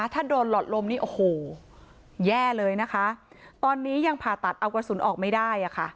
ถ้าโดนหลอดลมนี่โอ้โหแย่เลยนะคะตอนนี้ยังผ่าตัดเอากระสุนออกไม่ได้อ่ะค่ะ